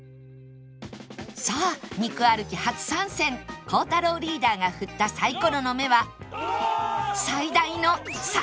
さあ肉歩き初参戦孝太郎リーダーが振ったサイコロの目は最大の３